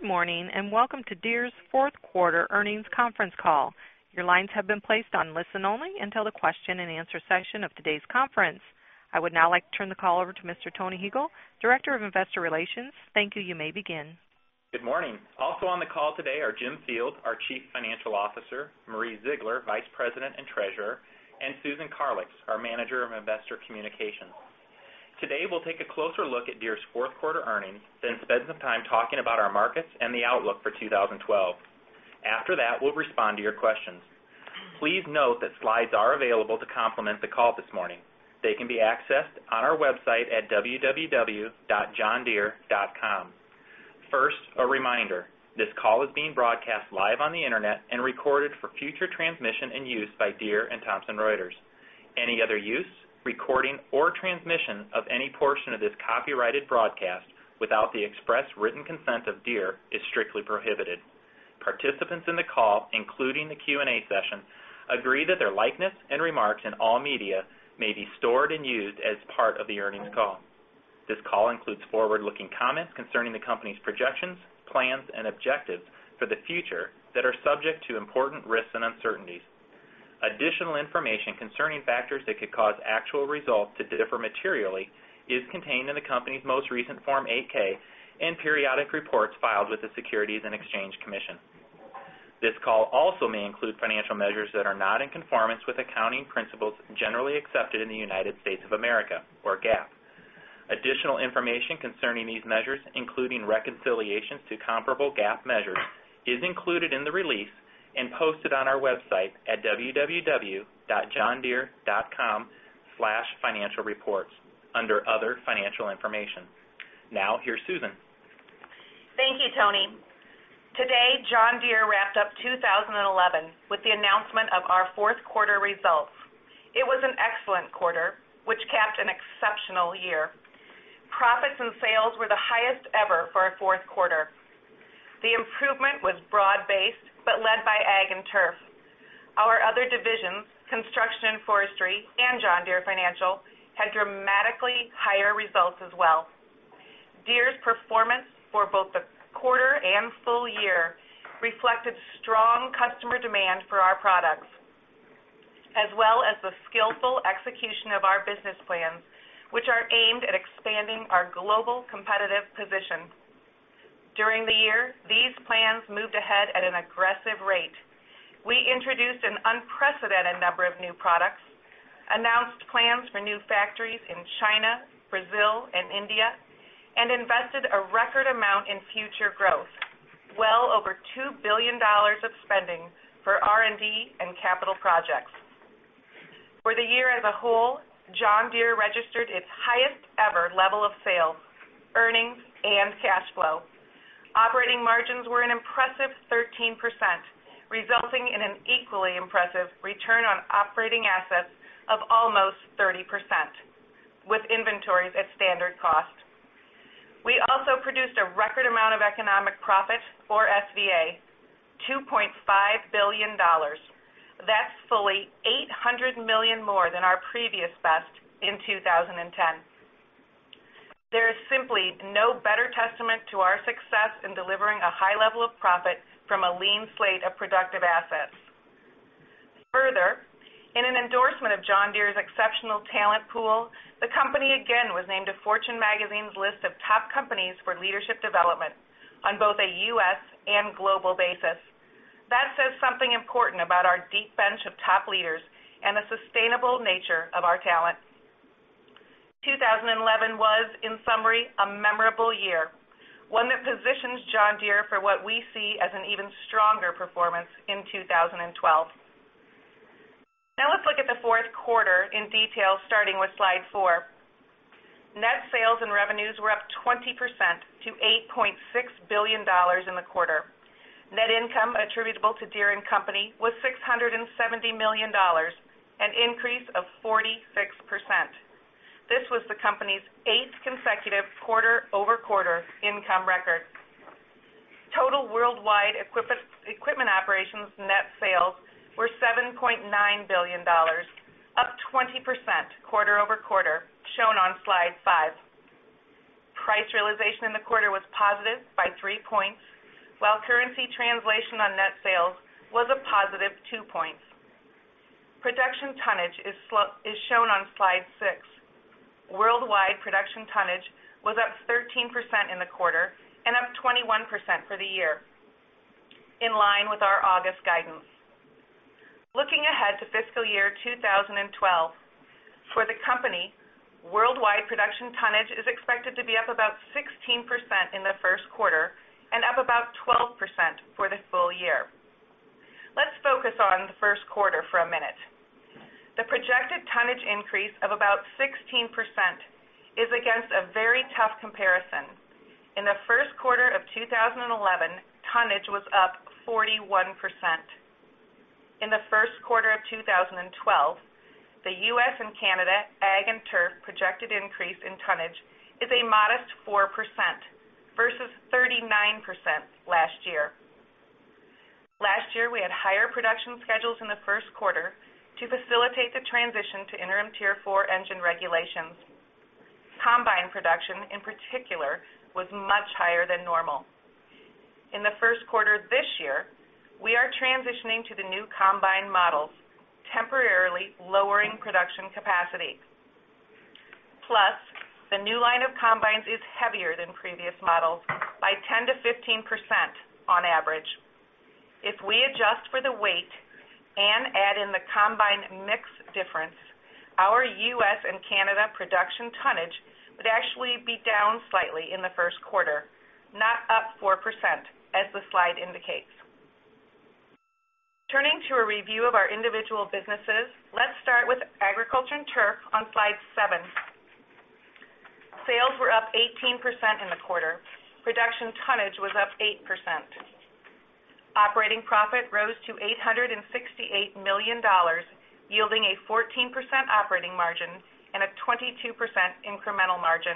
Good morning and welcome to Deere's Fourth Quarter Earnings Conference Call. Your lines have been placed on listen-only until the question and answer session of today's conference. I would now like to turn the call over to Mr. Tony Hegel, Director of Investor Relations. Thank you, you may begin. Good morning. Also on the call today are Jim Field, our Chief Financial Officer, Marie Ziegler, Vice President and Treasurer, and Susan Karlix, our Manager of Investor Communications. Today, we'll take a closer look at Deere's fourth quarter earnings, then spend some time talking about our markets and the outlook for 2012. After that, we'll respond to your questions. Please note that slides are available to complement the call this morning. They can be accessed on our website at www.johndeere.com. First, a reminder: this call is being broadcast live on the internet and recorded for future transmission and use by Deere and Thomson Reuters. Any other use, recording, or transmission of any portion of this copyrighted broadcast without the express written consent of Deere is strictly prohibited. Participants in the call, including the Q&A session, agree that their likeness and remarks in all media may be stored and used as part of the earnings call. This call includes forward-looking comments concerning the company's projections, plans, and objectives for the future that are subject to important risks and uncertainties. Additional information concerning factors that could cause actual results to differ materially is contained in the company's most recent Form 8-K and periodic reports filed with the Securities and Exchange Commission. This call also may include financial measures that are not in conformance with accounting principles generally accepted in the United States of America or GAAP. Additional information concerning these measures, including reconciliations to comparable GAAP measures, is included in the release and posted on our website at www.johndeere.com/financialreports under Other Financial Information. Now, here's Susan. Thank you, Tony. Today, John Deere wrapped up 2011 with the announcement of our fourth quarter results. It was an excellent quarter, which capped an exceptional year. Profits and sales were the highest ever for a fourth quarter. The improvement was broad-based but led by Ag & Turf. Our other divisions, Construction and Forestry, and John Deere Financial, had dramatically higher results as well. Deere's performance for both the quarter and full year reflected strong customer demand for our products, as well as the skillful execution of our business plans, which are aimed at expanding our global competitive position. During the year, these plans moved ahead at an aggressive rate. We introduced an unprecedented number of new products, announced plans for new factories in China, Brazil, and India, and invested a record amount in future growth, well over $2 billion of spending for R&D and capital projects. For the year as a whole, John Deere registered its highest ever level of sales, earnings, and cash flow. Operating margins were an impressive 13%, resulting in an equally impressive return on operating assets of almost 30%, with inventories at standard cost. We also produced a record amount of economic profit for SVA, $2.5 billion. That's fully $800 million more than our previous best in 2010. There is simply no better testament to our success in delivering a high level of profit from a lean slate of productive assets. Further, in an endorsement of John Deere's exceptional talent pool, the company again was named to Fortune Magazine's list of top companies for leadership development on both a U.S. and global basis. That says something important about our deep bench of top leaders and the sustainable nature of our talent. 2011 was, in summary, a memorable year, one that positions John Deere for what we see as an even stronger performance in 2012. Now, let's look at the fourth quarter in detail, starting with slide four. Net sales and revenues were up 20% to $8.6 billion in the quarter. Net income attributable to Deere & Company was $670 million, an increase of 46%. This was the company's eighth consecutive quarter-over-quarter income record. Total worldwide equipment operations net sales were $7.9 billion, up 20% quarter-over-quarter, shown on slide five. Price realization in the quarter was positive by three points, while currency translation on net sales was a positive two points. Production tonnage is shown on slide six. Worldwide production tonnage was up 13% in the quarter and up 21% for the year, in line with our August guidance. Looking ahead to fiscal year 2012, for the company, worldwide production tonnage is expected to be up about 16% in the first quarter and up about 12% for the full year. Let's focus on the first quarter for a minute. The projected tonnage increase of about 16% is against a very tough comparison. In the first quarter of 2011, tonnage was up 41%. In the first quarter of 2012, the U.S. and Canada Ag & Turf projected increase in tonnage is a modest 4% versus 39% last year. Last year, we had higher production schedules in the first quarter to facilitate the transition to Interim Tier 4 engine regulations. Combine production, in particular, was much higher than normal. In the first quarter this year, we are transitioning to the new combine models, temporarily lowering production capacity. Plus, the new line of combines is heavier than previous models by 10%-15% on average. If we adjust for the weight and add in the combine mix difference, our U.S. and Canada production tonnage would actually be down slightly in the first quarter, not up 4%, as the slide indicates. Turning to a review of our individual businesses, let's start with Agriculture & Turf on slide seven. Sales were up 18% in the quarter. Production tonnage was up 8%. Operating profit rose to $868 million, yielding a 14% operating margin and a 22% incremental margin.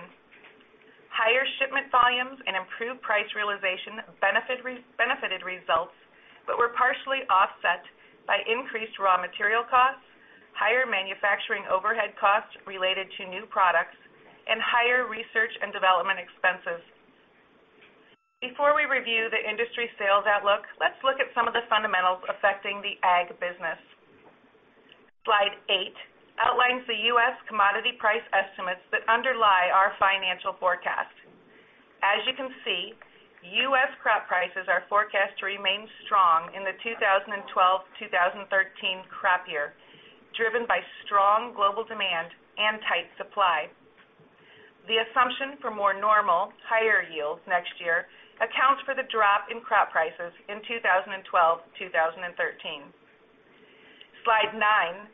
Higher shipment volumes and improved price realization benefited results but were partially offset by increased raw material costs, higher manufacturing overhead costs related to new products, and higher research and development expenses. Before we review the industry sales outlook, let's look at some of the fundamentals affecting the Ag business. Slide eight outlines the U.S. commodity price estimates that underlie our financial forecast. As you can see, U.S. crop prices are forecast to remain strong in the 2012-2013 crop year, driven by strong global demand and tight supply. The assumption for more normal, higher yields next year accounts for the drop in crop prices in 2012-2013. Slide nine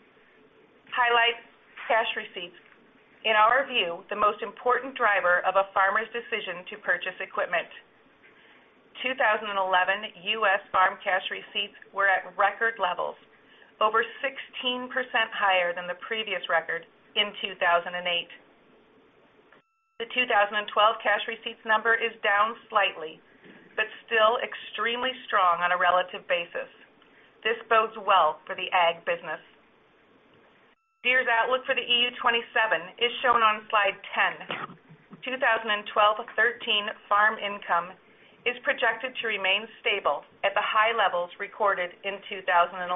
highlights cash receipts, in our view, the most important driver of a farmer's decision to purchase equipment. 2011 U.S. farm cash receipts were at record levels, over 16% higher than the previous record in 2008. The 2012 cash receipts number is down slightly but still extremely strong on a relative basis. This bodes well for the Ag business. Deere's outlook for the EU 27 is shown on slide 10. 2012-2013 farm income is projected to remain stable at the high levels recorded in 2011.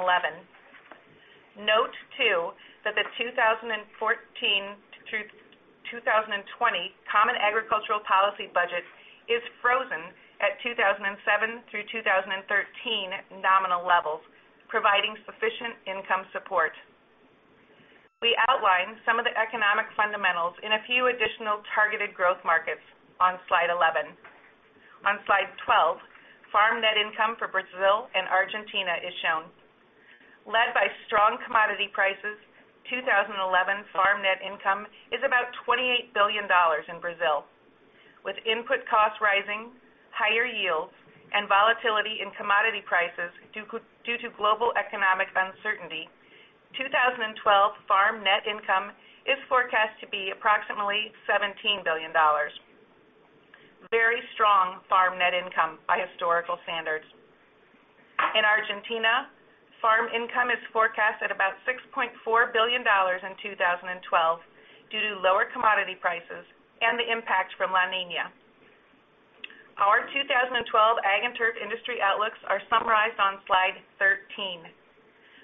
Note too that the 2014-2020 Common Agricultural Policy budget is frozen at 2007-2013 nominal levels, providing sufficient income support. We outline some of the economic fundamentals in a few additional targeted growth markets on slide 11. On slide 12, farm net income for Brazil and Argentina is shown. Led by strong commodity prices, 2011 farm net income is about $28 billion in Brazil. With input costs rising, higher yields, and volatility in commodity prices due to global economic uncertainty, 2012 farm net income is forecast to be approximately $17 billion, very strong farm net income by historical standards. In Argentina, farm income is forecast at about $6.4 billion in 2012 due to lower commodity prices and the impact from La Niña. Our 2012 Ag & Turf division industry outlooks are summarized on slide 13.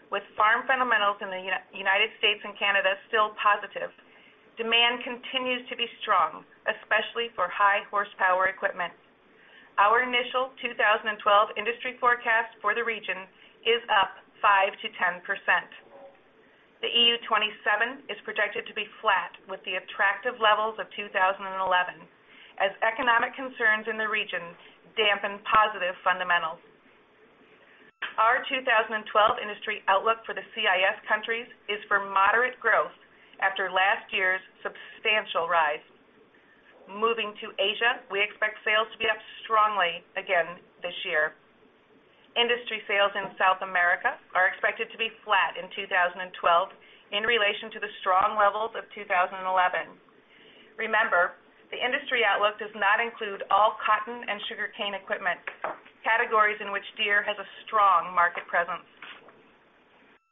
With farm fundamentals in the United States and Canada still positive, demand continues to be strong, especially for high-horsepower equipment. Our initial 2012 industry forecast for the region is up 5%-10%. The EU27 is projected to be flat with the attractive levels of 2011, as economic concerns in the region dampen positive fundamentals. Our 2012 industry outlook for the CIS countries is for moderate growth after last year's substantial rise. Moving to Asia, we expect sales to be up strongly again this year. Industry sales in South America are expected to be flat in 2012 in relation to the strong levels of 2011. Remember, the industry outlook does not include all cotton and sugarcane equipment, categories in which Deere has a strong market presence.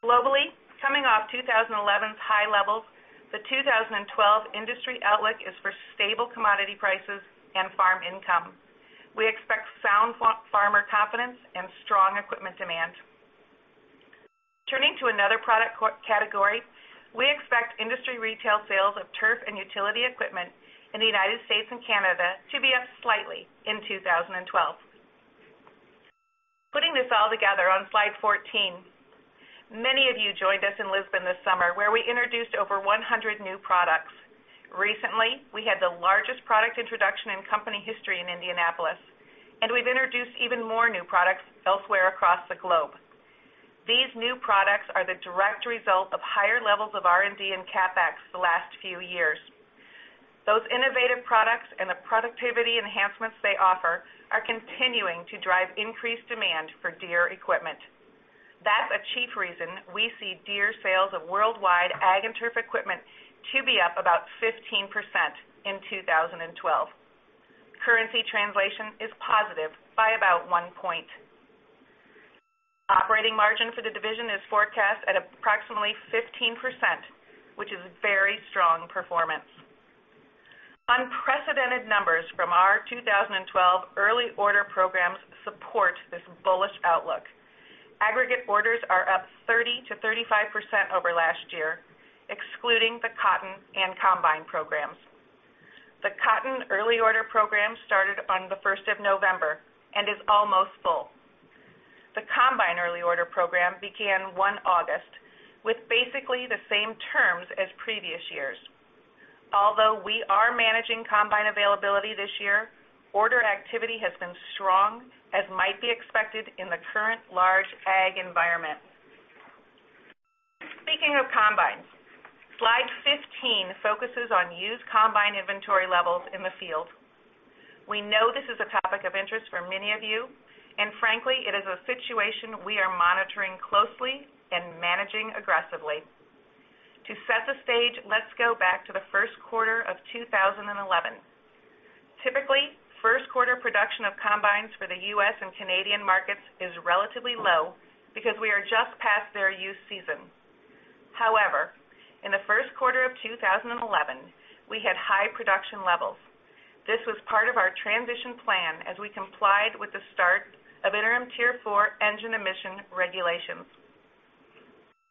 Globally, coming off 2011's high levels, the 2012 industry outlook is for stable commodity prices and farm income. We expect sound farmer confidence and strong equipment demand. Turning to another product category, we expect industry retail sales of turf and utility equipment in the United States and Canada to be up slightly in 2012. Putting this all together on slide 14, many of you joined us in Lisbon this summer, where we introduced over 100 new products. Recently, we had the largest product introduction in company history in Indianapolis, and we've introduced even more new products elsewhere across the globe. These new products are the direct result of higher levels of R&D and CapEx the last few years. Those innovative products and the productivity enhancements they offer are continuing to drive increased demand for Deere equipment. That's a chief reason we see Deere sales of worldwide Ag & Turf equipment to be up about 15% in 2012. Currency translation is positive by about one point. Operating margin for the division is forecast at approximately 15%, which is very strong performance. Unprecedented numbers from our 2012 early order programs support this bullish outlook. Aggregate orders are up 30%-35% over last year, excluding the cotton and combine programs. The cotton early order program started on the 1st of November and is almost full. The combine early order program began 1 August, with basically the same terms as previous years. Although we are managing combine availability this year, order activity has been strong, as might be expected in the current large Ag environment. Speaking of combines, slide 15 focuses on used combine inventory levels in the field. We know this is a topic of interest for many of you, and frankly, it is a situation we are monitoring closely and managing aggressively. To set the stage, let's go back to the first quarter of 2011. Typically, first quarter production of combines for the U.S. and Canadian markets is relatively low because we are just past their use season. However, in the first quarter of 2011, we had high production levels. This was part of our transition plan as we complied with the start of Interim Tier 4 engine emission regulations.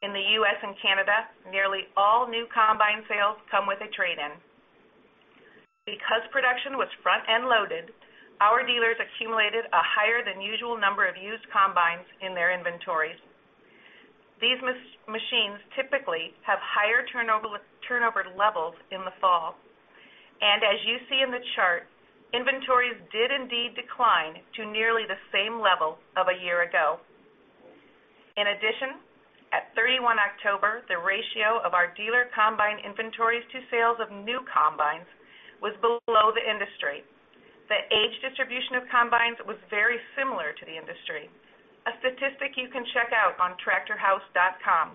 In the U.S. and Canada, nearly all new combine sales come with a trade-in. Because production was front-end loaded, our dealers accumulated a higher-than-usual number of used combines in their inventories. These machines typically have higher turnover levels in the fall, and as you see in the chart, inventories did indeed decline to nearly the same level of a year ago. In addition, at 31 October, the ratio of our dealer combine inventories to sales of new combines was below the industry. The age distribution of combines was very similar to the industry, a statistic you can check out on tractorhouse.com,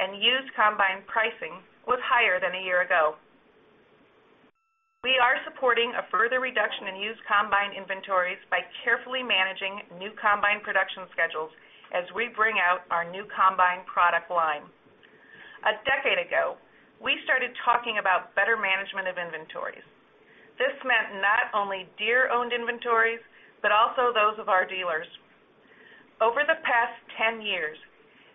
and used combine pricing was higher than a year ago. We are supporting a further reduction in used combine inventories by carefully managing new combine production schedules as we bring out our new combine product line. A decade ago, we started talking about better management of inventories. This meant not only Deere-owned inventories but also those of our dealers. Over the past 10 years,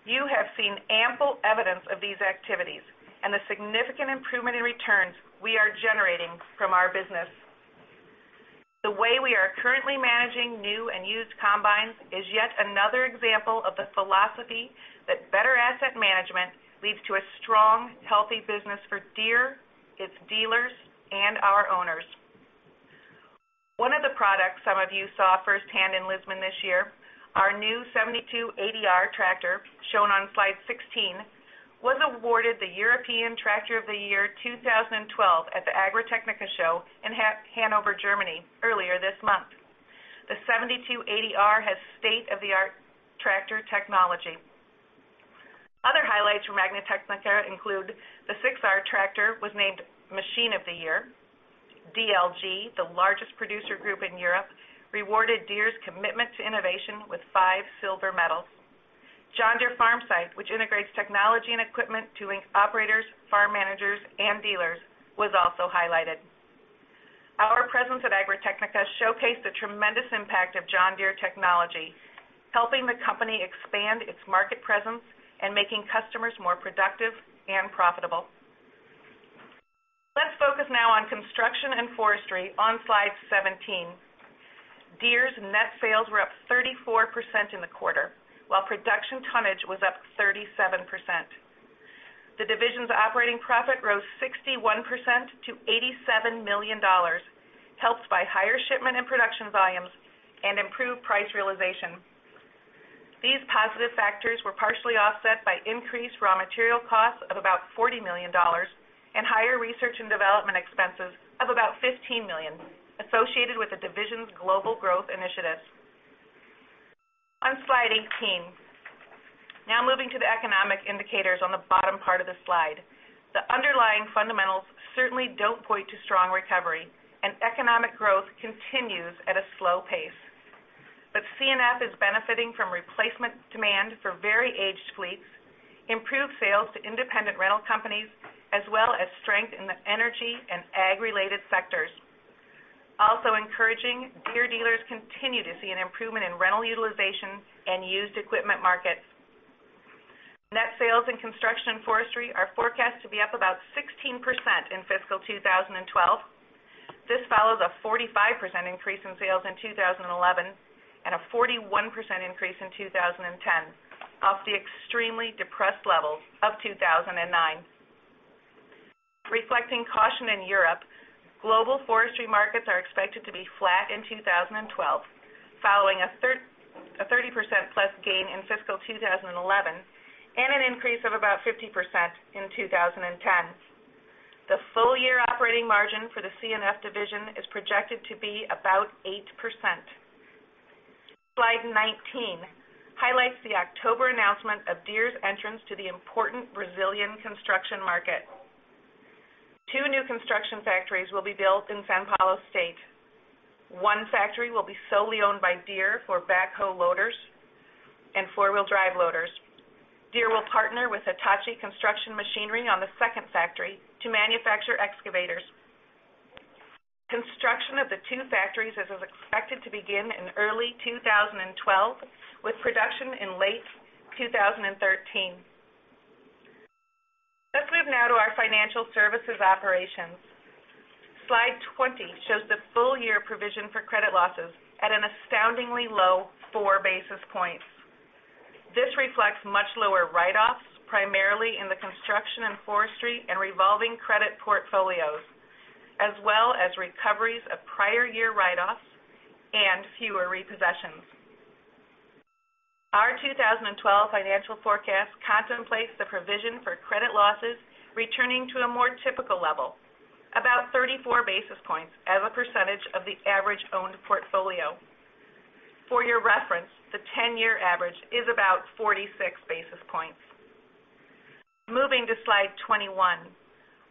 you have seen ample evidence of these activities and the significant improvement in returns we are generating from our business. The way we are currently managing new and used combines is yet another example of the philosophy that better asset management leads to a strong, healthy business for Deere, its dealers, and our owners. One of the products some of you saw firsthand in Lisbon this year, our new 7280R tractor, shown on slide 16, was awarded the European Tractor of the Year 2012 at the Agritechnica Show in Hannover, Germany, earlier this month. The 7280R has state-of-the-art tractor technology. Other highlights from Agritechnica include the 6R tractor was named Machine of the Year. DLG, the largest producer group in Europe, rewarded Deere's commitment to innovation with five silver medals. John Deere FarmSight, which integrates technology and equipment to link operators, farm managers, and dealers, was also highlighted. Our presence at Agritechnica showcased the tremendous impact of John Deere technology, helping the company expand its market presence and making customers more productive and profitable. Let's focus now on Construction and Forestry on slide 17. Deere's net sales were up 34% in the quarter, while production tonnage was up 37%. The division's operating profit rose 61% to $87 million, helped by higher shipment and production volumes and improved price realization. These positive factors were partially offset by increased raw material costs of about $40 million and higher research and development expenses of about $15 million associated with the division's global growth initiatives. On slide 18, now moving to the economic indicators on the bottom part of the slide, the underlying fundamentals certainly don't point to strong recovery, and economic growth continues at a slow pace. C&F is benefiting from replacement demand for very aged fleets, improved sales to independent rental companies, as well as strength in the energy and Ag-related sectors. Also encouraging, Deere dealers continue to see an improvement in rental utilization and used equipment markets. Net sales in Construction and Forestry are forecast to be up about 16% in fiscal 2012. This follows a 45% increase in sales in 2011 and a 41% increase in 2010, off the extremely depressed levels of 2009. Reflecting caution in Europe, global forestry markets are expected to be flat in 2012, following a 30%+ gain in fiscal 2011 and an increase of about 50% in 2010. The full year operating margin for the C&F division is projected to be about 8%. Slide 19 highlights the October announcement of Deere's entrance to the important Brazilian construction market. Two new construction factories will be built in São Paulo State. One factory will be solely owned by Deere for backhoe loaders and four-wheel drive loaders. Deere will partner with Hitachi Construction Machinery on the second factory to manufacture excavators. Construction of the two factories is expected to begin in early 2012, with production in late 2013. Let's move now to our Financial Services Operations. Slide 20 shows the full year provision for credit losses at an astoundingly low four basis points. This reflects much lower write-offs, primarily in the Construction and Forestry and Revolving credit portfolios, as well as recoveries of prior year write-offs and fewer repossessions. Our 2012 financial forecast contemplates the provision for credit losses returning to a more typical level, about 34 basis points as a percentage of the average owned portfolio. For your reference, the 10-year average is about 46 basis points. Moving to slide 21,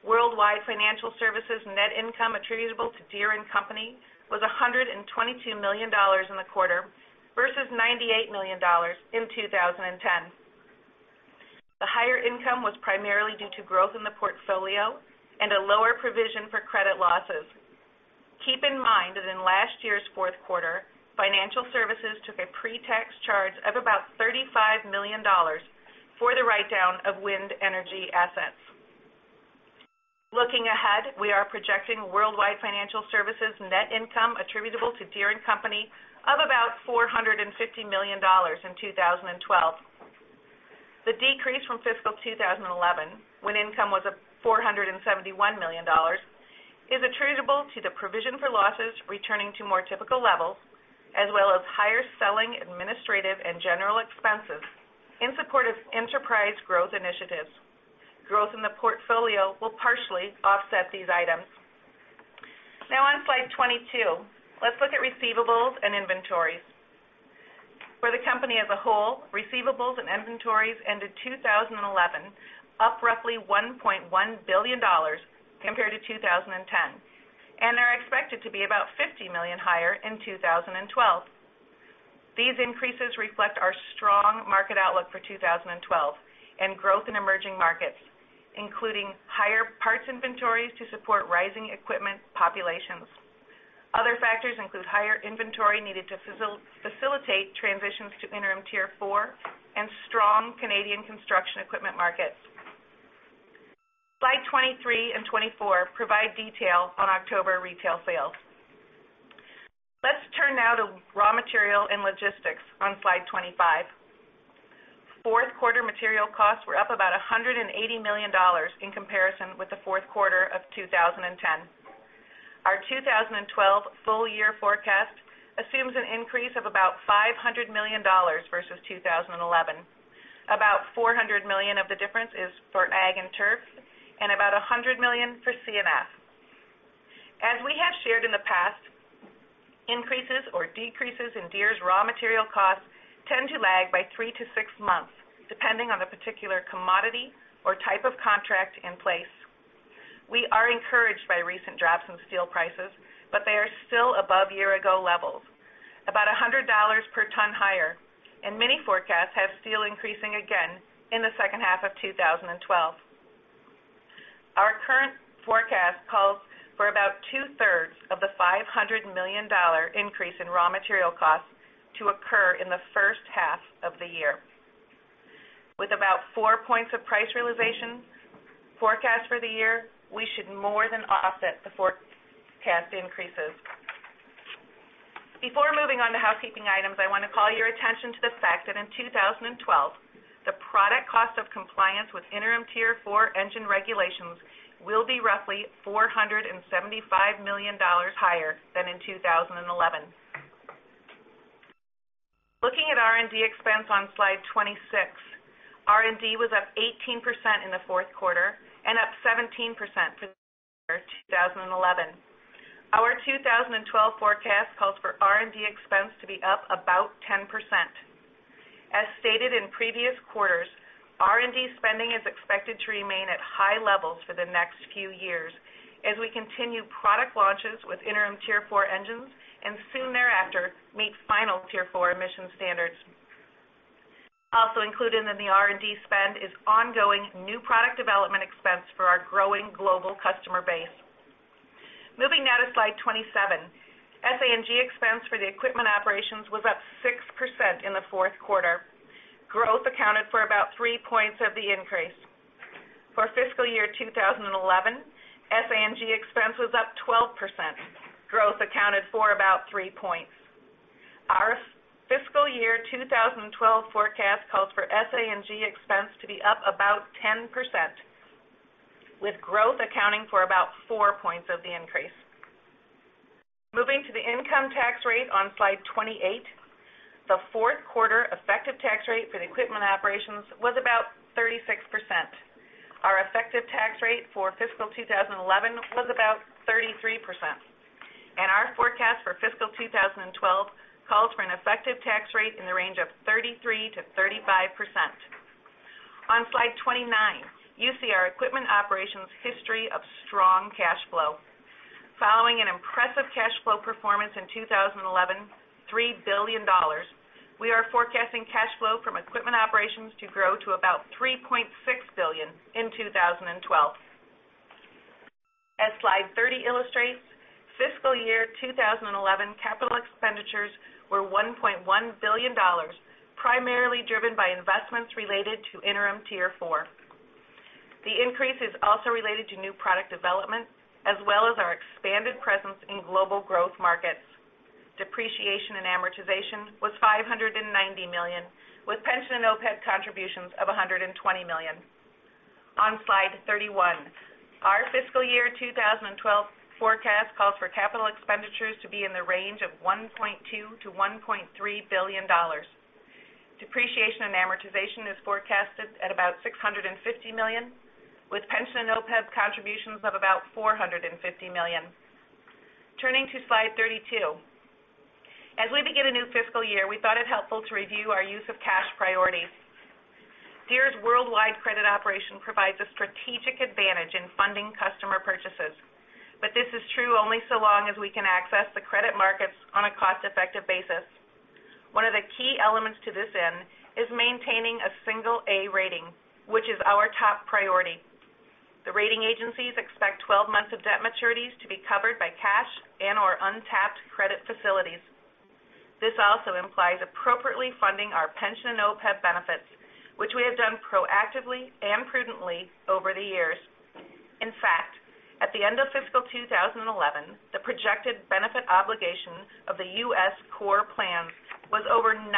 worldwide financial services net income attributable to Deere & Company was $122 million in the quarter versus $98 million in 2010. The higher income was primarily due to growth in the portfolio and a lower provision for credit losses. Keep in mind that in last year's fourth quarter, financial services took a pre-tax charge of about $35 million for the write-down of wind energy assets. Looking ahead, we are projecting worldwide financial services net income attributable to Deere & Company of about $450 million in 2012. The decrease from fiscal 2011, when income was $471 million, is attributable to the provision for losses returning to more typical levels, as well as higher selling, administrative, and general expenses in support of enterprise growth initiatives. Growth in the portfolio will partially offset these items. Now, on slide 22, let's look at receivables and inventories. For the company as a whole, receivables and inventories ended 2011 up roughly $1.1 billion compared to 2010, and are expected to be about $50 million higher in 2012. These increases reflect our strong market outlook for 2012 and growth in emerging markets, including higher parts inventories to support rising equipment populations. Other factors include higher inventory needed to facilitate transitions to Interim Tier 4 and strong Canadian construction equipment markets. Slides 23 and 24 provide detail on October retail sales. Let's turn now to raw material and logistics on slide 25. Fourth quarter material costs were up about $180 million in comparison with the fourth quarter of 2010. Our 2012 full year forecast assumes an increase of about $500 million versus 2011. About $400 million of the difference is for Ag & Turf and about $100 million for C&F. As we have shared in the past, increases or decreases in Deere's raw material costs tend to lag by three to six months, depending on the particular commodity or type of contract in place. We are encouraged by recent drops in steel prices, but they are still above year-ago levels, about $100 per ton higher, and many forecasts have steel increasing again in the second half of 2012. Our current forecast calls for about two-thirds of the $500 million increase in raw material costs to occur in the first half of the year. With about four points of price realization forecast for the year, we should more than offset the forecast increases. Before moving on to housekeeping items, I want to call your attention to the fact that in 2012, the product cost of compliance with Interim Tier 4 engine regulations will be roughly $475 million higher than in 2011. Looking at R&D expense on slide 26, R&D was up 18% in the fourth quarter and up 17% for 2011. Our 2012 forecast calls for R&D expense to be up about 10%. As stated in previous quarters, R&D spending is expected to remain at high levels for the next few years as we continue product launches with Interim Tier 4 engines and soon thereafter meet final Tier 4 emission standards. Also included in the R&D spend is ongoing new product development expense for our growing global customer base. Moving now to slide 27, SANG expense for the equipment operations was up 6% in the fourth quarter. Growth accounted for about 3 points of the increase. For fiscal year 2011, SANG expense was up 12%. Growth accounted for about 3 points. Our fiscal year 2012 forecast calls for SANG expense to be up about 10%, with growth accounting for about 4 points of the increase. Moving to the income tax rate on slide 28, the fourth quarter effective tax rate for the equipment operations was about 36%. Our effective tax rate for fiscal 2011 was about 33%, and our forecast for fiscal 2012 calls for an effective tax rate in the range of 33%-35%. On slide 29, you see our equipment operations' history of strong cash flow. Following an impressive cash flow performance in 2011, $3 billion, we are forecasting cash flow from equipment operations to grow to about $3.6 billion in 2012. As slide 30 illustrates, fiscal year 2011 capital expenditures were $1.1 billion, primarily driven by investments related to Interim Tier 4. The increase is also related to new product development, as well as our expanded presence in global growth markets. Depreciation and amortization was $590 million, with pension and OPEB contributions of $120 million. On slide 31, our fiscal year 2012 forecast calls for capital expenditures to be in the range of $1.2 billion-$1.3 billion. Depreciation and amortization is forecasted at about $650 million, with pension and OPEB contributions of about $450 million. Turning to slide 32, as we begin a new fiscal year, we thought it helpful to review our use of cash priorities. Deere's worldwide credit operation provides a strategic advantage in funding customer purchases, but this is true only so long as we can access the credit markets on a cost-effective basis. One of the key elements to this end is maintaining a single A rating, which is our top priority. The rating agencies expect 12 months of debt maturities to be covered by cash and/or untapped credit facilities. This also implies appropriately funding our pension and OPEB benefits, which we have done proactively and prudently over the years. In fact, at the end of fiscal 2011, the projected benefit obligation of the U.S. core plans was over 90%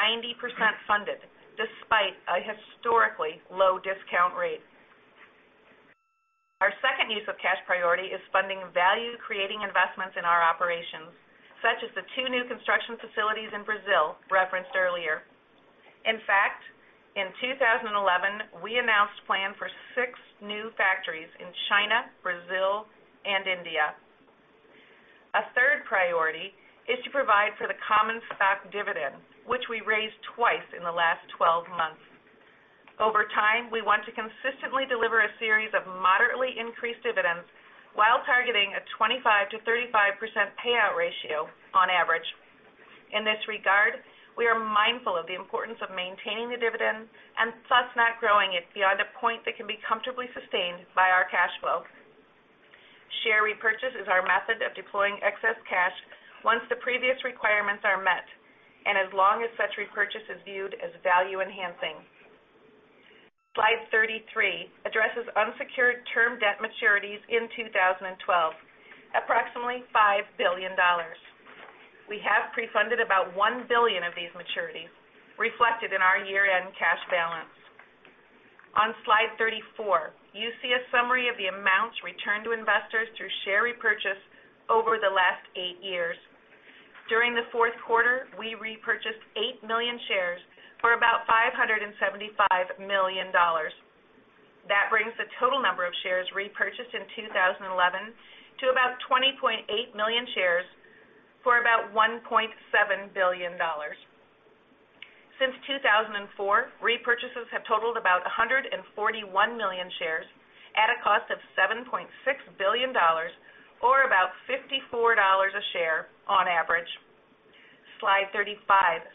funded, despite a historically low discount rate. Our second use of cash priority is funding value-creating investments in our operations, such as the two new construction facilities in Brazil referenced earlier. In fact, in 2011, we announced plans for six new factories in China, Brazil, and India. A third priority is to provide for the common stock dividend, which we raised twice in the last 12 months. Over time, we want to consistently deliver a series of moderately increased dividends while targeting a 25%-35% payout ratio on average. In this regard, we are mindful of the importance of maintaining the dividend and thus not growing it beyond a point that can be comfortably sustained by our cash flow. Share repurchase is our method of deploying excess cash once the previous requirements are met, and as long as such repurchase is viewed as value enhancing. Slide 33 addresses unsecured term debt maturities in 2012, approximately $5 billion. We have pre-funded about $1 billion of these maturities, reflected in our year-end cash balance. On slide 34, you see a summary of the amounts returned to investors through share repurchase over the last eight years. During the fourth quarter, we repurchased 8 million shares for about $575 million. That brings the total number of shares repurchased in 2011 to about 20.8 million shares for about $1.7 billion. Since 2004, repurchases have totaled about 141 million shares at a cost of $7.6 billion, or about $54 a share on average. Slide 35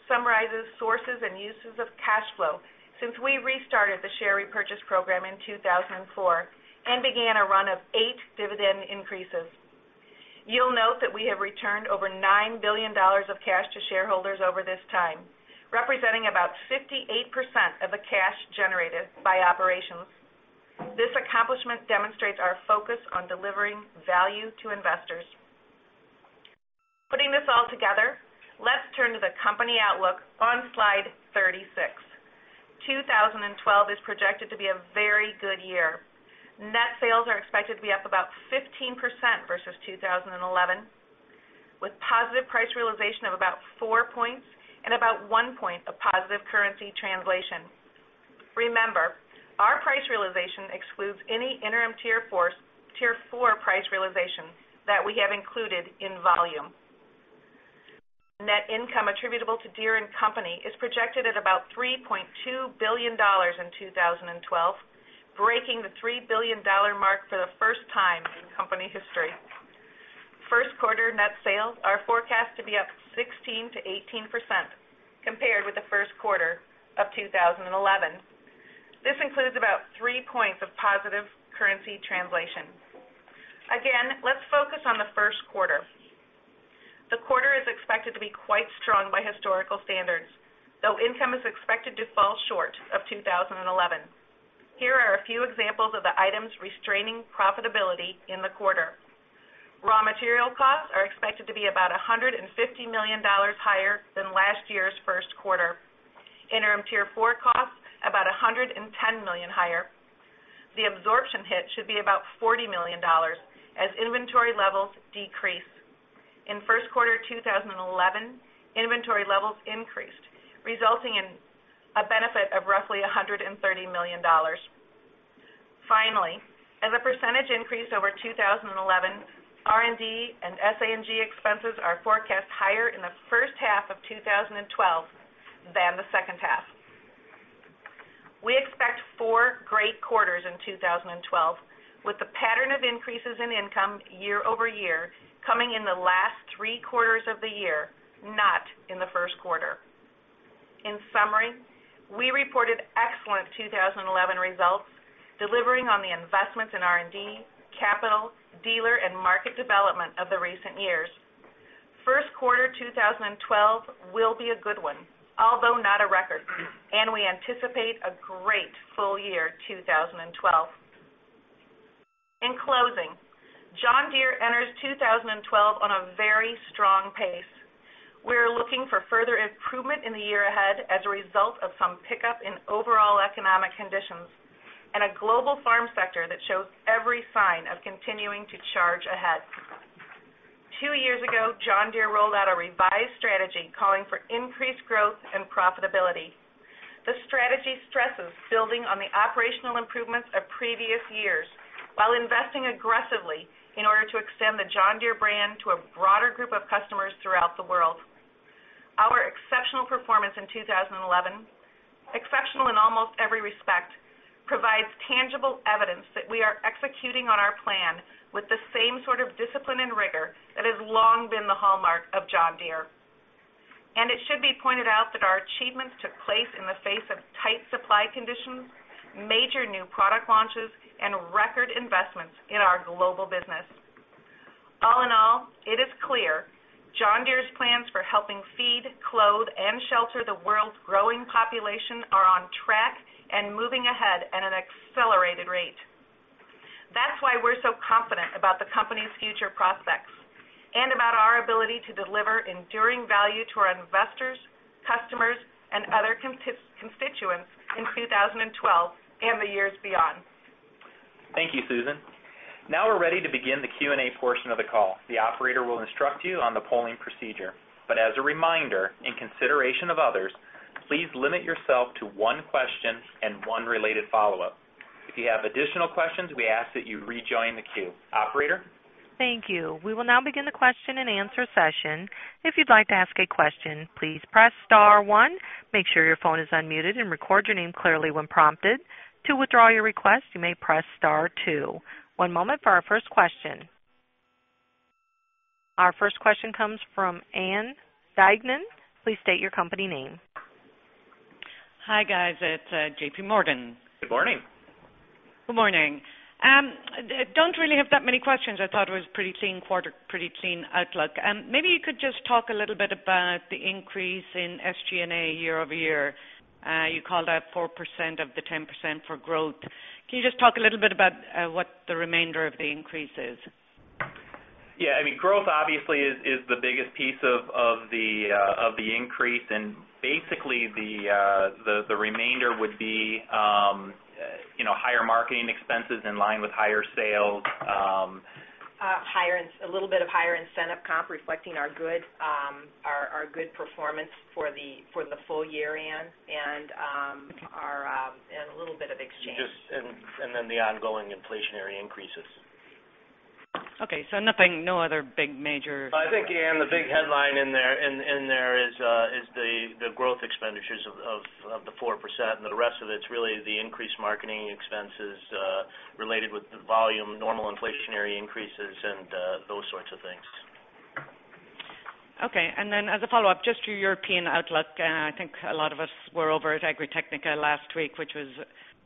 summarizes sources and uses of cash flow since we restarted the share repurchase program in 2004 and began a run of eight dividend increases. You'll note that we have returned over $9 billion of cash to shareholders over this time, representing about 58% of the cash generated by operations. This accomplishment demonstrates our focus on delivering value to investors. Putting this all together, let's turn to the company outlook on slide 36. 2012 is projected to be a very good year. Net sales are expected to be up about 15% versus 2011, with positive price realization of about 4 points and about one point of positive currency translation. Remember, our price realization excludes any Interim Tier 4 price realization that we have included in volume. Net income attributable to Deere & Company is projected at about $3.2 billion in 2012, breaking the $3 billion mark for the first time in company history. First quarter net sales are forecast to be up 16%-18% compared with the first quarter of 2011. This includes about 3 points of positive currency translation. Again, let's focus on the first quarter. The quarter is expected to be quite strong by historical standards, though income is expected to fall short of 2011. Here are a few examples of the items restraining profitability in the quarter. Raw material costs are expected to be about $150 million higher than last year's first quarter. Interim Tier 4 costs about $110 million higher. The absorption hit should be about $40 million as inventory levels decrease. In first quarter 2011, inventory levels increased, resulting in a benefit of roughly $130 million. Finally, as a percentage increase over 2011, R&D and SANG expenses are forecast higher in the first half of 2012 than the second half. We expect four great quarters in 2012, with the pattern of increases in income year-over-year coming in the last three quarters of the year, not in the first quarter. In summary, we reported excellent 2011 results, delivering on the investments in R&D, capital, dealer, and market development of the recent years. First quarter 2012 will be a good one, although not a record, and we anticipate a great full year 2012. In closing, John Deere enters 2012 on a very strong pace. We're looking for further improvement in the year ahead as a result of some pickup in overall economic conditions and a global farm sector that showed every sign of continuing to charge ahead. Two years ago, John Deere rolled out a revised strategy calling for increased growth and profitability. The strategy stresses building on the operational improvements of previous years while investing aggressively in order to extend the John Deere brand to a broader group of customers throughout the world. Our exceptional performance in 2011, exceptional in almost every respect, provides tangible evidence that we are executing on our plan with the same sort of discipline and rigor that has long been the hallmark of John Deere. It should be pointed out that our achievements took place in the face of tight supply conditions, major new product launches, and record investments in our global business. All in all, it is clear John Deere's plans for helping feed, cloth, and shelter the world's growing population are on track and moving ahead at an accelerated rate. That's why we're so confident about the company's future prospects and about our ability to deliver enduring value to our investors, customers, and other constituents in 2012 and the years beyond. Thank you, Susan. Now we're ready to begin the Q&A portion of the call. The operator will instruct you on the polling procedure. As a reminder, in consideration of others, please limit yourself to one question and one related follow-up. If you have additional questions, we ask that you rejoin the queue. Operator? Thank you. We will now begin the question and answer session. If you'd like to ask a question, please press star one, make sure your phone is unmuted, and record your name clearly when prompted. To withdraw your request, you may press star two. One moment for our first question. Our first question comes from [Ann Dagnon]. Please state your company name. Hi guys, it's JPMorgan. Good morning. Good morning. I don't really have that many questions. I thought it was a pretty clean quarter, pretty clean outlook. Maybe you could just talk a little bit about the increase in SG&A year-over-year. You called out 4% of the 10% for growth. Can you just talk a little bit about what the remainder of the increase is? Yeah, I mean, growth obviously is the biggest piece of the increase, and basically the remainder would be higher marketing expenses in line with higher sales. A little bit of higher incentive comp reflecting our good performance for the full year and a little bit of exchange. The ongoing inflationary increases. Okay, so no other big major. I think, Ann, the big headline in there is the growth expenditures of the 4%, and the rest of it's really the increased marketing expenses related with the volume, normal inflationary increases, and those sorts of things. Okay, and then as a follow-up, just your European outlook, I think a lot of us were over at Agritechnica last week, which was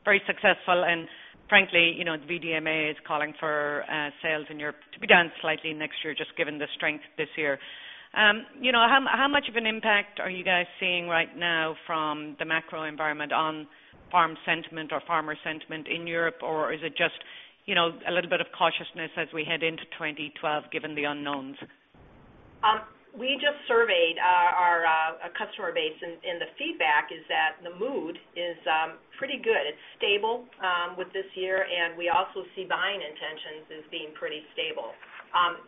very successful, and frankly, you know, the VDMA is calling for sales in Europe to be down slightly next year, just given the strength this year. How much of an impact are you guys seeing right now from the macro environment on farm sentiment or farmer sentiment in Europe, or is it just a little bit of cautiousness as we head into 2012, given the unknowns? We just surveyed our customer base, and the feedback is that the mood is pretty good. It's stable with this year, and we also see buying intentions as being pretty stable.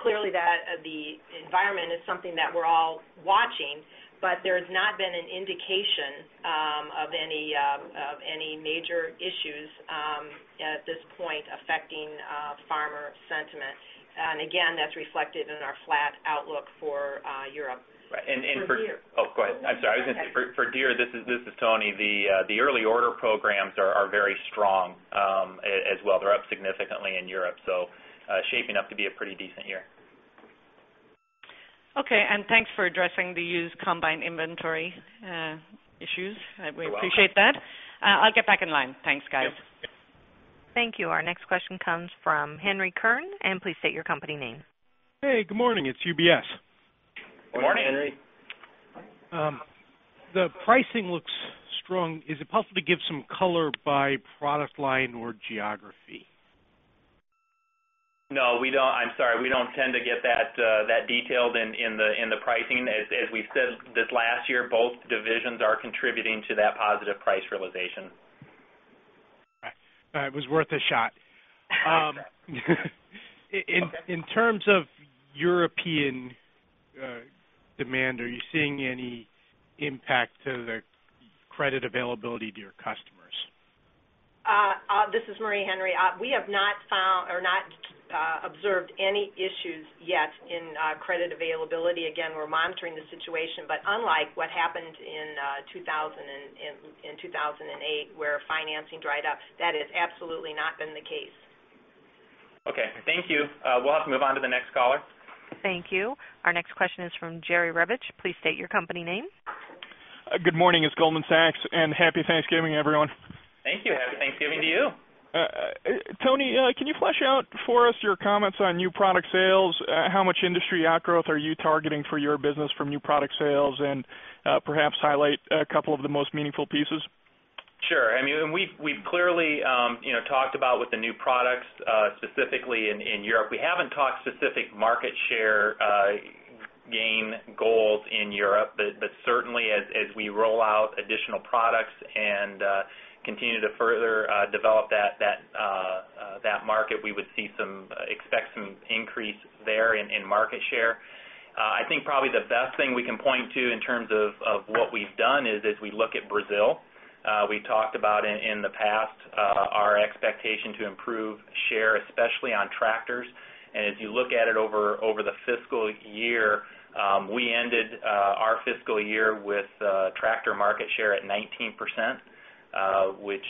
Clearly, the environment is something that we're all watching, but there has not been an indication of any major issues at this point affecting farmer sentiment. That is reflected in our flat outlook for Europe. Right, and for Deere, this is Tony. The early order programs are very strong as well. They're up significantly in Europe, so shaping up to be a pretty decent year. Okay, thanks for addressing the used combine inventory issues. We appreciate that. I'll get back in line. Thanks, guys. Thank you. Our next question comes from [Henry Kern], and please state your company name. Hey, good morning. It's UBS. Good morning. Henry, the pricing looks strong. Is it possible to give some color by product line or geography? No, we don't. I'm sorry, we don't tend to get that detailed in the pricing. As we've said this last year, both divisions are contributing to that positive price realization. It was worth a shot. In terms of European demand, are you seeing any impact to the credit availability to your customers? This is Marie Ziegler. We have not found or not observed any issues yet in credit availability. Again, we're monitoring the situation, but unlike what happened in 2008 where financing dried up, that has absolutely not been the case. Okay, thank you. We have to move on to the next caller. Thank you. Our next question is from Jerry Revich. Please state your company name. Good morning. It's Goldman Sachs, and Happy Thanksgiving, everyone. Thank you. Happy Thanksgiving to you. Tony, can you flesh out for us your comments on new product sales? How much industry outgrowth are you targeting for your business from new product sales, and perhaps highlight a couple of the most meaningful pieces? Sure. I mean, we clearly talked about with the new products, specifically in Europe. We haven't talked specific market share gain goals in Europe, but certainly, as we roll out additional products and continue to further develop that market, we would expect some increase there in market share. I think probably the best thing we can point to in terms of what we've done is as we look at Brazil. We've talked about in the past our expectation to improve share, especially on tractors. As you look at it over the fiscal year, we ended our fiscal year with tractor market share at 19%, which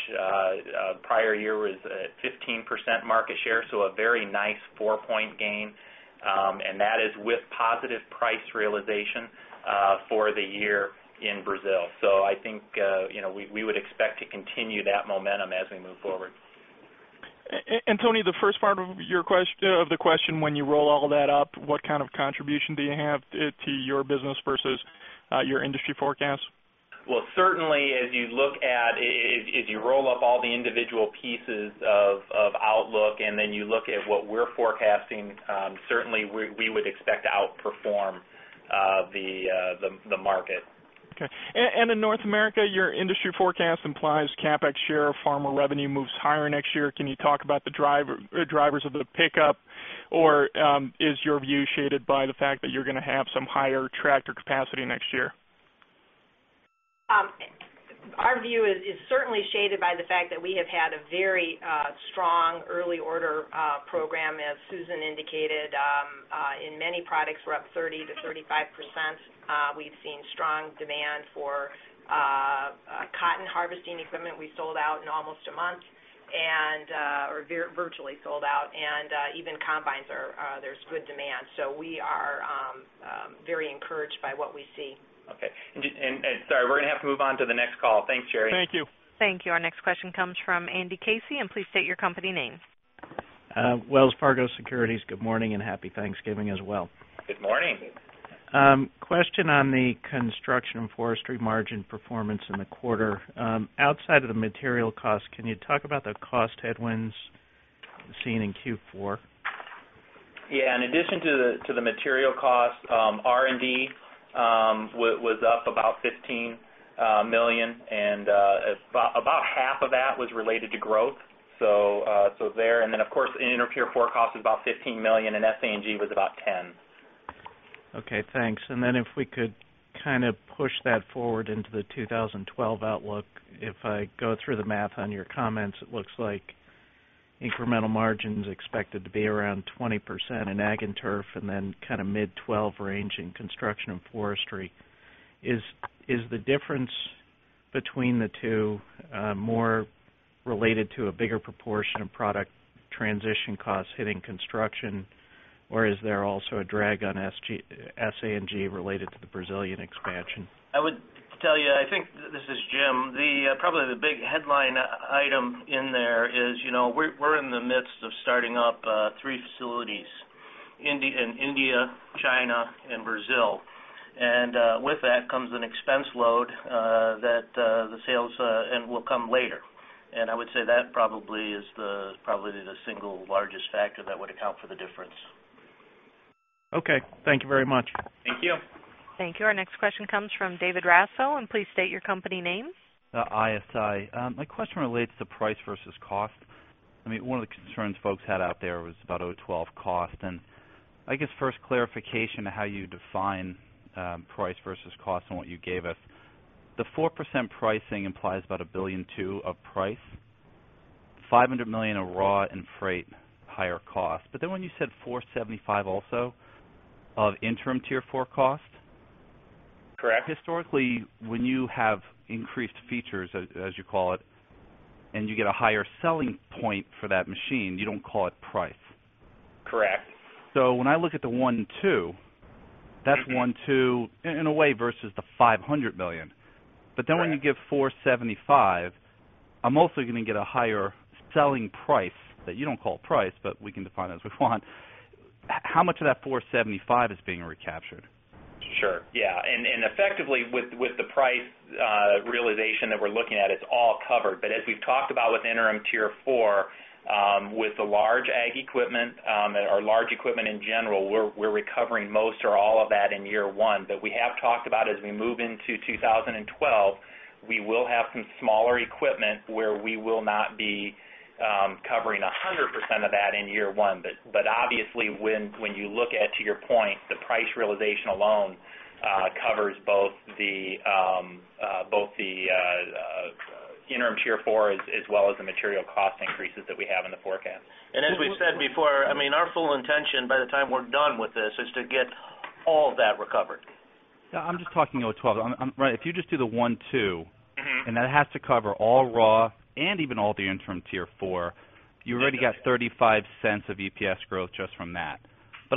prior year was at 15% market share, so a very nice four-point gain. That is with positive price realization for the year in Brazil. I think we would expect to continue that momentum as we move forward. Tony, the first part of your question, when you roll all that up, what kind of contribution do you have to your business versus your industry forecast? As you look at, as you roll up all the individual pieces of outlook and then you look at what we're forecasting, certainly we would expect to outperform the market. Okay. In North America, your industry forecast implies CapEx share of farmer revenue moves higher next year. Can you talk about the drivers of the pickup, or is your view shaded by the fact that you're going to have some higher tractor capacity next year? Our view is certainly shaded by the fact that we have had a very strong early order program, as Susan indicated. In many products, we're up 30%-35%. We've seen strong demand for cotton harvesting equipment. We sold out in almost a month, or virtually sold out, and even combines, there's good demand. We are very encouraged by what we see. Okay, sorry, we're going to have to move on to the next call. Thanks, Jerry. Thank you. Thank you. Our next question comes from Andrew Casey, and please state your company name. Wells Fargo Securities. Good morning and Happy Thanksgiving as well. Good morning. Question on the construction and forestry margin performance in the quarter. Outside of the material costs, can you talk about the cost headwinds seen in Q4? Yeah, in addition to the material costs, R&D was up about $15 million, and about half of that was related to growth. Interim Tier 4 costs is about $15 million, and SG&A was about $10 million. Okay, thanks. If we could kind of push that forward into the 2012 outlook, if I go through the math on your comments, it looks like incremental margins expected to be around 20% in Ag & Turf and then kind of mid-12% range in construction and forestry. Is the difference between the two more related to a bigger proportion of product transition costs hitting construction, or is there also a drag on SANG related to the Brazilian expansion? I would tell you, I think this is Jim. Probably the big headline item in there is, you know, we're in the midst of starting up three facilities in India, China, and Brazil. With that comes an expense load that the sales will come later. I would say that probably is probably the single largest factor that would account for the difference. Okay, thank you very much. Thank you. Thank you. Our next question comes from David Raso, and please state your company name. ISI. My question relates to price versus cost. I mean, one of the concerns folks had out there was about O-12 cost, and I guess first clarification to how you define price versus cost and what you gave us. The 4% pricing implies about $1.2 billion of price, $500 million of raw and freight higher cost. When you said $475 million also of Interim Tier 4 cost. Correct. Historically, when you have increased features, as you call it, and you get a higher selling point for that machine, you don't call it price. Correct. When I look at the $1.2 million, that's $1.2 million in a way versus the $500 million. When you give $475 million, I'm also going to get a higher selling price that you don't call price, but we can define it as we want. How much of that $475 million is being recaptured? Sure, yeah. Effectively, with the price realization that we're looking at, it's all covered. As we've talked about with Interim Tier 4, with the large Ag equipment or large equipment in general, we're recovering most or all of that in year one. We have talked about as we move into 2012, we will have some smaller equipment where we will not be covering 100% of that in year one. Obviously, when you look at, to your point, the price realization alone covers both the Interim Tier 4 as well as the material cost increases that we have in the forecast. As we've said before, our full intention by the time we're done with this is to get all of that recovered. I'm just talking O-12. If you just do the $1.2 million, and that has to cover all raw and even all the Interim Tier 4, you already got $0.35 of EPS growth just from that.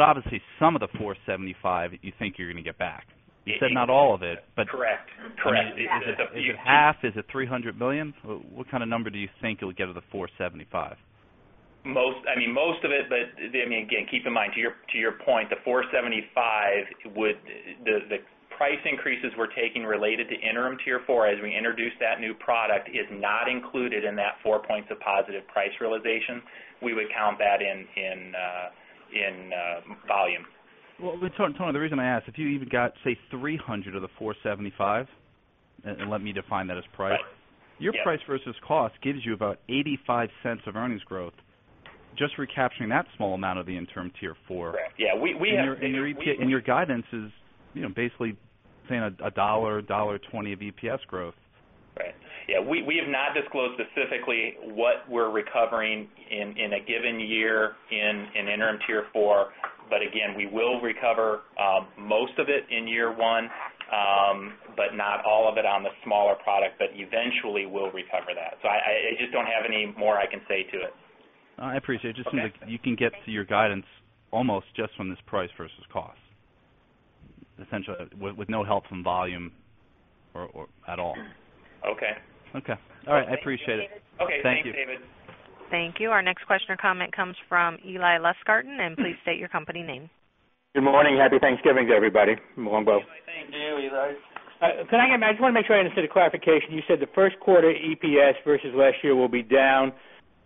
Obviously, some of the $475 million you think you're going to get back. You said not all of it, but. Correct, correct. Is it half? Is it $300 million? What kind of number do you think you'll get of the $475 million? Most of it, but again, keep in mind, to your point, the $475 million, the price increases we're taking related to Interim Tier 4 as we introduce that new product is not included in that four points of positive price realization. We would count that in volume. Tony, the reason I ask, if you even got, say, $300 million of the $475 million, and let me define that as price, your price versus cost gives you about $0.85 of earnings growth, just recapturing that small amount of the Interim Tier 4. Correct, yeah. Your guidance is basically saying $1.00, $1.20 of EPS growth. Right, yeah. We have not disclosed specifically what we're recovering in a given year in Interim Tier 4, but again, we will recover most of it in year one, not all of it on the smaller product, but eventually we'll recover that. I just don't have any more I can say to it. I appreciate it. It just seems like you can get to your guidance almost just from this price versus cost, essentially with no help from volume at all. Okay. Okay. All right, I appreciate it. Okay, thank you David. Thank you. Our next question or comment comes from Eli Lustgarten, and please state your company name. Good morning. Happy Thanksgiving to everybody. Thank you, Eli. Can I get clarification? I just want to make sure I understood. You said the first quarter EPS versus last year will be down,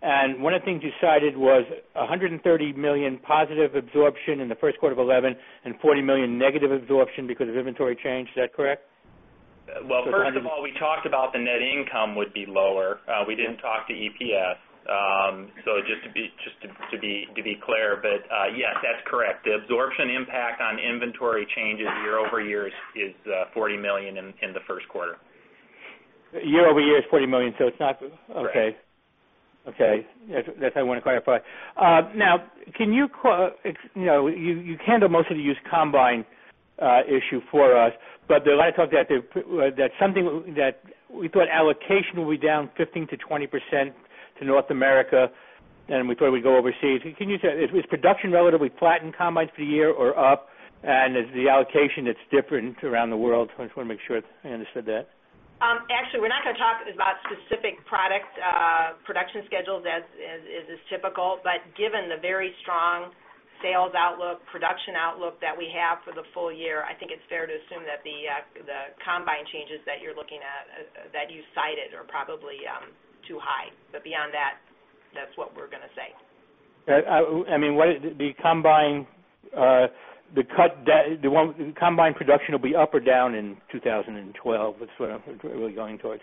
and one of the things you cited was $130 million positive absorption in the first quarter of 2011 and $40 million negative absorption because of inventory change. Is that correct? First of all, we talked about the net income would be lower. We didn't talk to EPS, so just to be clear, but yes, that's correct. The absorption impact on inventory changes year-over-year is $40 million in the first quarter. year-over-year is $40 million, so it's not okay. Correct. Okay. I want to clarify. Now, you handle most of the used combine issue for us, but the last talk, that's something that we thought allocation would be down 15%-20% to North America, and we thought we'd go overseas. Can you tell us, is production relatively flat in combines for the year or up, and is the allocation that's different around the world? I just want to make sure I understood that. Actually, we're not going to talk about specific product production schedules as is typical, but given the very strong sales outlook, production outlook that we have for the full year, I think it's fair to assume that the combine changes that you're looking at, that you cited, are probably too high. Beyond that, that's what we're going to say. I mean, is the combine production going to be up or down in 2012? That's what I'm really going towards.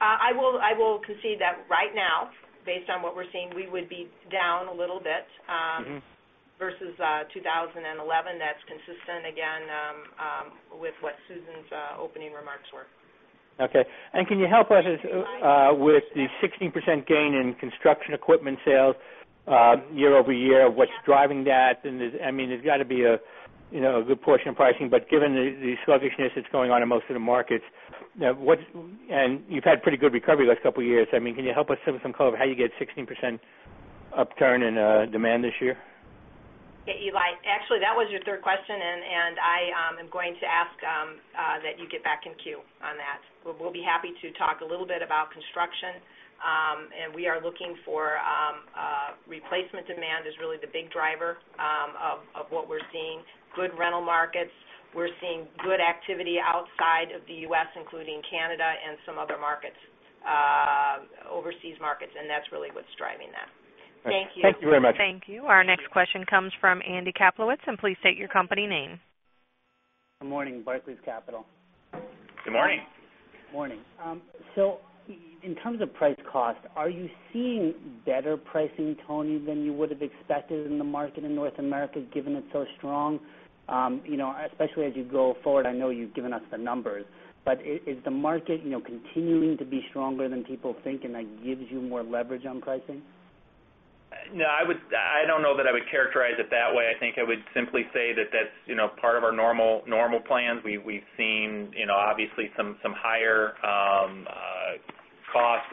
I will concede that right now, based on what we're seeing, we would be down a little bit versus 2011. That's consistent, again, with what Susan's opening remarks were. Okay. Can you help us with the 16% gain in construction equipment sales year-over-year? What's driving that? I mean, there's got to be a good portion of pricing, but given the sluggishness that's going on in most of the markets, and you've had pretty good recovery the last couple of years, I mean, can you help us with some color of how you get 16% upturn in demand this year? Yeah, Eli, actually, that was your third question, and I am going to ask that you get back in queue on that. We'll be happy to talk a little bit about construction, and we are looking for replacement demand as really the big driver of what we're seeing. Good rental markets. We're seeing good activity outside of the U.S., including Canada and some other markets, overseas markets, and that's really what's driving that. Thank you. Thank you very much. Thank you. Our next question comes from Andy Kaplowicz, and please state your company name. Good morning. Barclays Capital. Good morning. Morning. In terms of price cost, are you seeing better pricing, Tony, than you would have expected in the market in North America, given it's so strong? Especially as you go forward, I know you've given us the numbers, but is the market continuing to be stronger than people think, and that gives you more leverage on pricing? No, I don't know that I would characterize it that way. I think I would simply say that that's part of our normal plans. We've seen, obviously, some higher costs.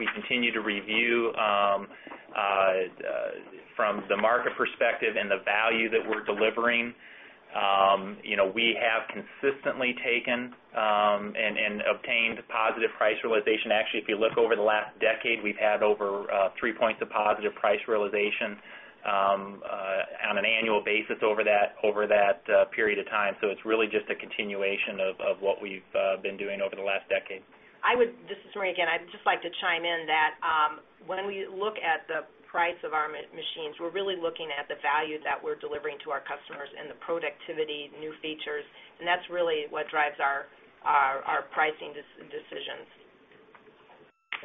We continue to review from the market perspective and the value that we're delivering. We have consistently taken and obtained positive price realization. Actually, if you look over the last decade, we've had over three points of positive price realization on an annual basis over that period of time. It's really just a continuation of what we've been doing over the last decade. This is Marie again. I'd just like to chime in that when we look at the price of our machines, we're really looking at the value that we're delivering to our customers and the productivity, new features, and that's really what drives our pricing decisions.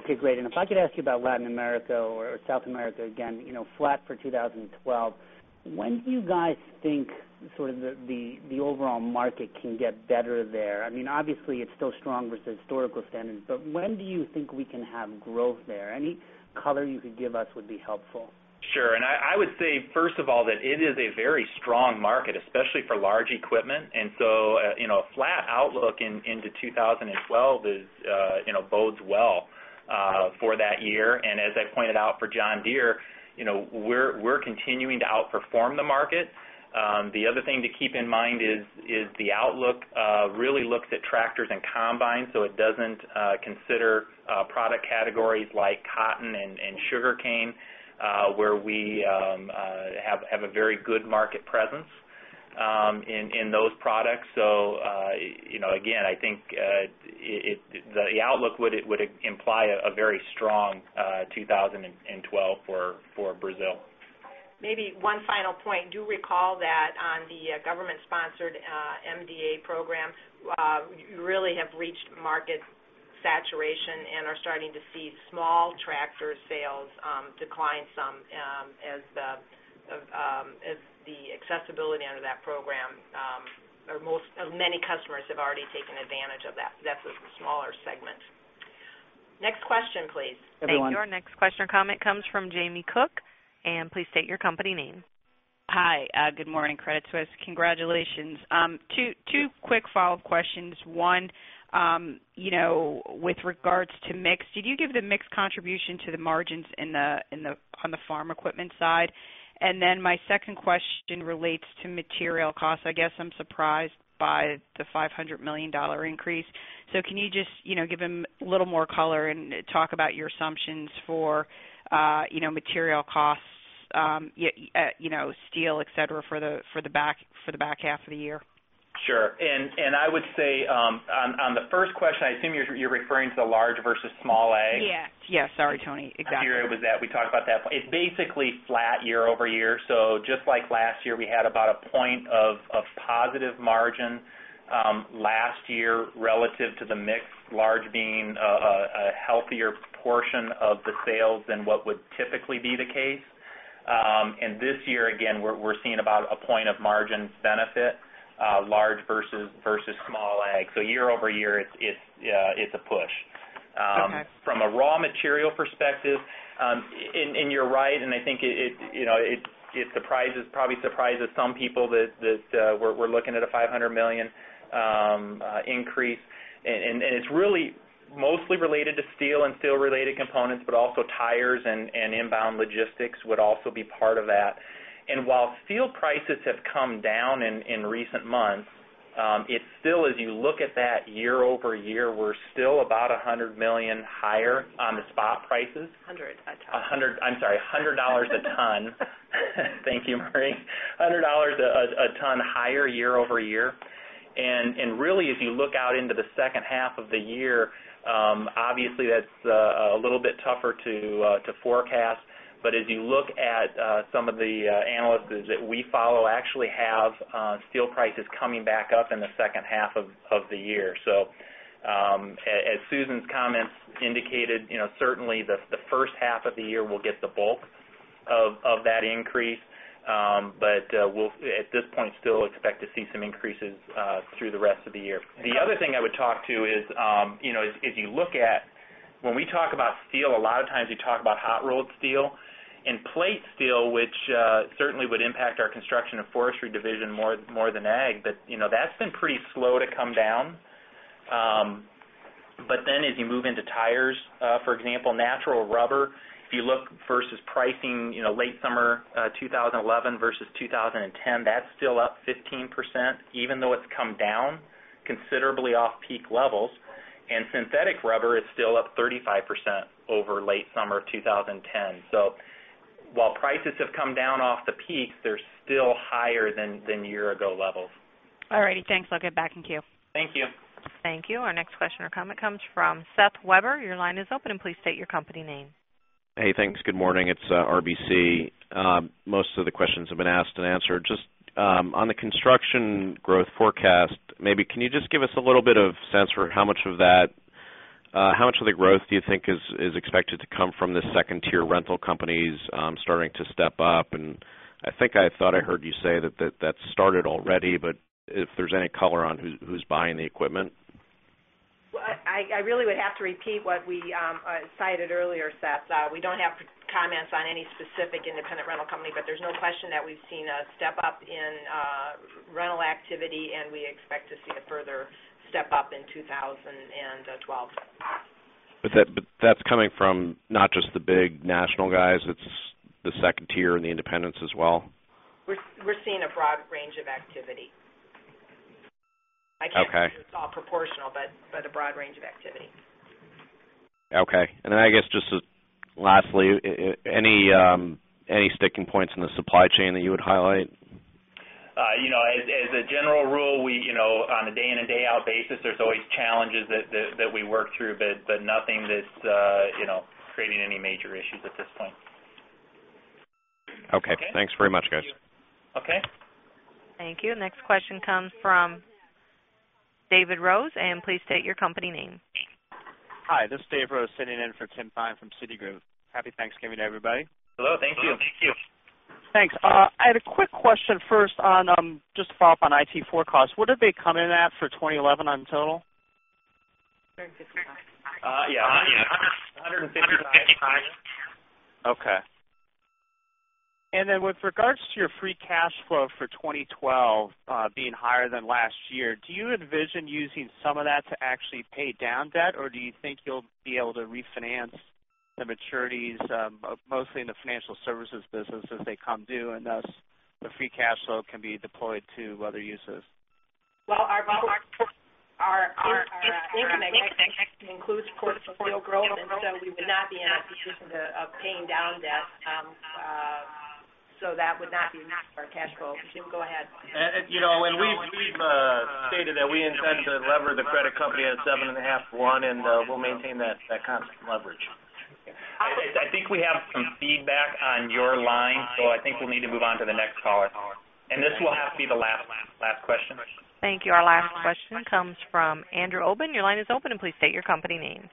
Okay, great. If I could ask you about Latin America or South America, again, you know, flat for 2012, when do you guys think sort of the overall market can get better there? I mean, obviously, it's still strong versus historical standards, but when do you think we can have growth there? Any color you could give us would be helpful. Sure. I would say, first of all, that it is a very strong market, especially for large equipment. A flat outlook into 2012 bodes well for that year. As I pointed out for John Deere, we're continuing to outperform the market. The other thing to keep in mind is the outlook really looks at tractors and combines, so it doesn't consider product categories like cotton and sugar cane, where we have a very good market presence in those products. I think the outlook would imply a very strong 2012 for Brazil. Maybe one final point. Do recall that on the government-sponsored MDA program, you really have reached market saturation and are starting to see small tractor sales decline some as the accessibility under that program, or many customers have already taken advantage of that. That's a smaller segment. Next question, please. Thank you. Your next question or comment comes from Jamie Lyn Cook, and please state your company name. Hi, good morning. Credit Suisse. Congratulations. Two quick follow-up questions. One, you know, with regards to mix, did you give the mix contribution to the margins on the farm equipment side? My second question relates to material costs. I guess I'm surprised by the $500 million increase. Can you just give a little more color and talk about your assumptions for material costs, steel, etc., for the back half of the year? Sure. I would say on the first question, I assume you're referring to the large versus small Ag? Yes, sorry, Tony. Exactly. Material was that we talked about that. It's basically flat year-over-year. Just like last year, we had about a point of positive margin last year relative to the mix, large being a healthier portion of the sales than what would typically be the case. This year, again, we're seeing about a point of margin's benefit, large versus small Ag. year-over-year, it's a push. From a raw material perspective, you're right, and I think it probably surprises some people that we're looking at a $500 million increase. It's really mostly related to steel and steel-related components, but also tires and inbound logistics would also be part of that. While steel prices have come down in recent months, as you look at that year-over-year, we're still about $100 million higher on the spot prices. $100 a ton. I'm sorry, $100 a ton. Thank you, Marie. $100 a ton higher year-over-year. As you look out into the second half of the year, obviously, that's a little bit tougher to forecast. As you look at some of the analysis that we follow, steel prices are actually coming back up in the second half of the year. As Susan's comments indicated, certainly, the first half of the year will get the bulk of that increase, but at this point, we still expect to see some increases through the rest of the year. The other thing I would talk to is, as you look at, when we talk about steel, a lot of times we talk about hot-rolled steel and plate steel, which certainly would impact our construction and forestry division more than Ag, but that's been pretty slow to come down. As you move into tires, for example, natural rubber, if you look versus pricing late summer 2011 versus 2010, that's still up 15%, even though it's come down considerably off peak levels. Synthetic rubber is still up 35% over late summer 2010. While prices have come down off the peaks, they're still higher than year-ago levels. All right, thanks. I'll get back in queue. Thank you. Thank you. Our next question or comment comes from Seth Weber. Your line is open, and please state your company name. Hey, thanks. Good morning. It's RBC. Most of the questions have been asked and answered. Just on the construction growth forecast, maybe can you just give us a little bit of sense for how much of that, how much of the growth do you think is expected to come from the second-tier rental companies starting to step up? I think I thought I heard you say that that started already, but if there's any color on who's buying the equipment? I really would have to repeat what we cited earlier, Seth. We don't have comments on any specific independent rental company, but there's no question that we've seen a step up in rental activity, and we expect to see a further step up in 2012. That's coming from not just the big national guys, it's the second tier and the independents as well? We're seeing a broad range of activity. Okay. I can't say it's all proportional, but a broad range of activity. Okay. I guess just lastly, any sticking points in the supply chain that you would highlight? As a general rule, we, on a day-in and day-out basis, there's always challenges that we work through, but nothing that's creating any major issues at this point. Okay, thanks very much, guys. Okay. Thank you. Next question comes from David Rose, and please state your company name. Hi, this is David Rose sitting in for [Tim Thein] from Citigroup. Happy Thanksgiving to everybody. Hello, thank you. Thanks. I had a quick question first just to follow up on IT forecasts. What have they come in at for 2011 on total? Yeah, 155. Okay. With regards to your free cash flow for 2012 being higher than last year, do you envision using some of that to actually pay down debt, or do you think you'll be able to refinance the maturities, mostly in the financial services business as they come due, and thus the free cash flow can be deployed to other uses? Our incremental cash flow includes core supply growth, and so we would not be able to be interested in paying down debt. That would not be enough for our cash flow. Jim, go ahead. We have stated that we intend to lever the credit company at 7.5 to 1, and we'll maintain that constant leverage. I think we have some feedback on your line, so I think we'll need to move on to the next caller. This will have to be the last question. Thank you. Our last question comes from Andrew Obin. Your line is open, and please state your company name.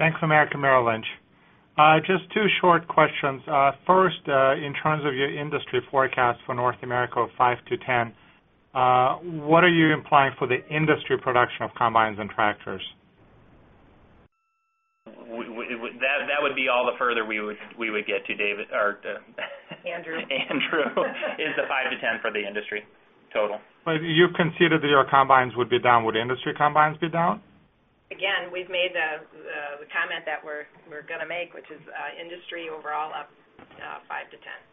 Bank of America, Merrill Lynch. Just two short questions. First, in terms of your industry forecast for North America of 5%-10%, what are you implying for the industry production of combines and tractors? That would be all the further we would get to, David. Our. Andrew. Andrew is the 5%-10% for the industry total. You've considered that your combines would be down. Would industry combines be down? We've made the comment that we're going to make, which is industry overall up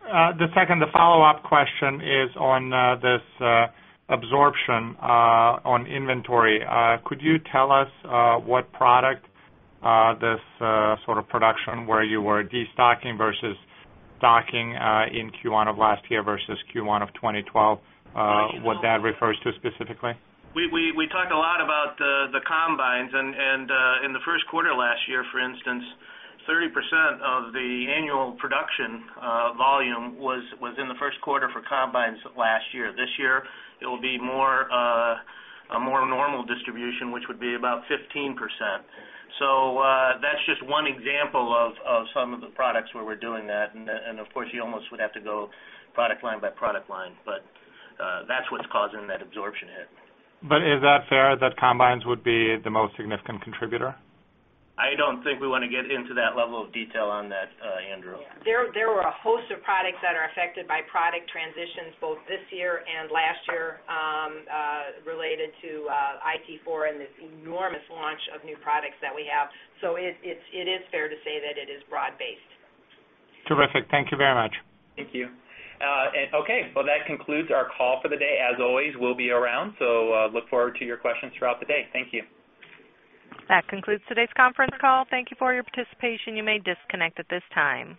5%-10%. The second, the follow-up question is on this absorption on inventory. Could you tell us what product this sort of production where you were destocking versus stocking in Q1 of last year versus Q1 of 2012, what that refers to specifically? We talk a lot about the combines, and in the first quarter last year, for instance, 30% of the annual production volume was in the first quarter for combines last year. This year, it will be more normal distribution, which would be about 15%. That is just one example of some of the products where we're doing that. Of course, you almost would have to go product line by product line, but that's what's causing that absorption hit. Is that fair that combines would be the most significant contributor? I don't think we want to get into that level of detail on that, Andrew. There are a host of products that are affected by product transitions both this year and last year related to Interim Tier 4 and this enormous launch of new products that we have. It is fair to say that it is broad-based. Terrific. Thank you very much. Thank you. That concludes our call for the day. As always, we'll be around, so look forward to your questions throughout the day. Thank you. That concludes today's conference call. Thank you for your participation. You may disconnect at this time.